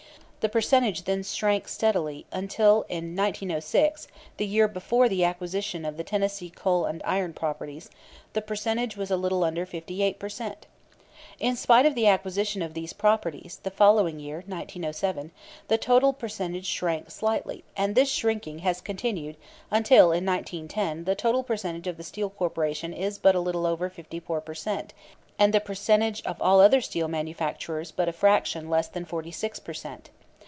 The percentage then shrank steadily, until in 1906, the year before the acquisition of the Tennessee Coal and Iron properties, the percentage was a little under 58 per cent. In spite of the acquisition of these properties, the following year, 1907, the total percentage shrank slightly, and this shrinking has continued until in 1910 the total percentage of the Steel Corporation is but a little over 54 per cent, and the percentage by all other steel manufacturers but a fraction less than 46 per cent.